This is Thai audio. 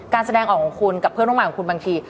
แสดงออกของคุณกับเพื่อนร่วมงานของคุณบางที